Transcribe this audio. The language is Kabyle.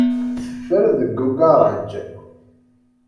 Teffer deg ugaṛaj.